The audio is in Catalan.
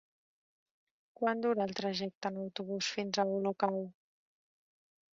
Quant dura el trajecte en autobús fins a Olocau?